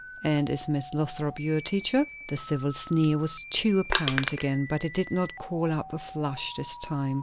"And is Miss Lothrop your teacher?" The civil sneer was too apparent again, but it did not call up a flush this time.